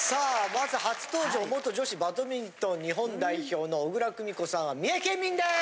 まず初登場元女子バドミントン日本代表の小椋久美子さんは三重県民です。